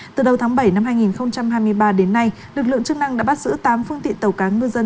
từ đầu tháng bảy năm hai nghìn hai mươi ba đến nay lực lượng chức năng đã bắt giữ tám phương tiện tàu cá ngư dân